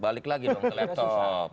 balik lagi dong ke laptop